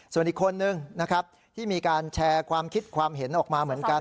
ส่วนอีกคนนึงนะครับที่มีการแชร์ความคิดความเห็นออกมาเหมือนกัน